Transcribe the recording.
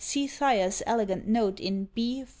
See Thyer's elegant note in B. iv.